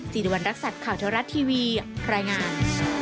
ริวัณรักษัตริย์ข่าวเทวรัฐทีวีรายงาน